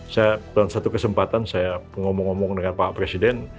saya dalam satu kesempatan saya ngomong ngomong dengan pak presiden